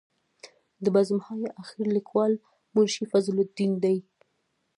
د بزم های اخیر لیکوال منشي فضل الدین دی.